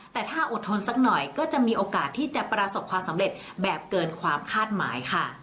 แต่ถ้าอดทนสักหน่อยก็จะมีโอกาสที่จะประสบความสำเร็จแบบเกินความคาดหมายค่ะ